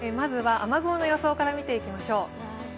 雨雲の予想から見ていきましょう。